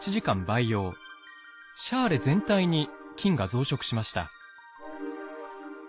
シャーレ全体に菌が増殖しました。